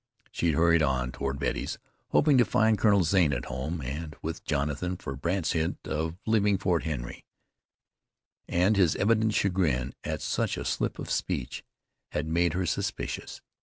She hurried on toward Betty's, hoping to find Colonel Zane at home, and with Jonathan, for Brandt's hint of leaving Fort Henry, and his evident chagrin at such a slip of speech, had made her suspicious.